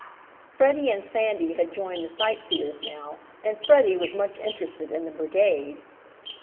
Freddie and Sandy had joined the sightseers now, and Freddie was much interested in the brigade.